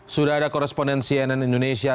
sudah ada koresponden cnn indonesia